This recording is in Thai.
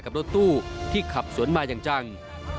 รถตู้ที่ขับสวนมาอย่างจัง